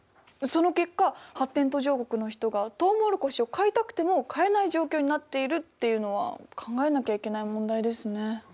その結果発展途上国の人がとうもろこしを買いたくても買えない状況になっているっていうのは考えなきゃいけない問題ですね。